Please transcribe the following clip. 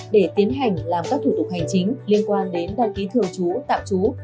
để tiến hành làm các thủ tục hành chính liên quan đến đăng ký thường trú tạm trú